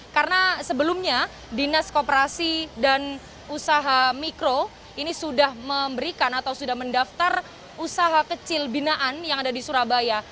karena sebelumnya dinas koperasi dan usaha mikro ini sudah memberikan atau sudah mendaftar usaha kecil binaan yang ada di surabaya